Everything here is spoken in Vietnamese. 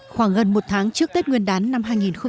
khoảng gần một tháng trước tết nguyên đán năm hai nghìn hai mươi